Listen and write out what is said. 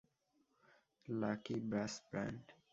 Lucky Brass band.